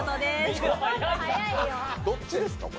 どっちですか、これ。